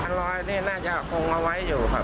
รอยนี่น่าจะคงเอาไว้อยู่ครับ